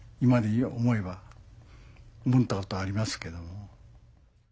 思いは思ったことありますけど。